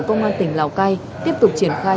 công an tỉnh lào cai tiếp tục triển khai